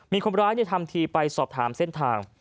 มีคนร้ายทำทีไปสอบถามเส้นทาง